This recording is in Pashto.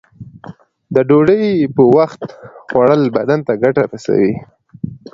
د ډوډۍ په وخت خوړل بدن ته ګټه رسوی.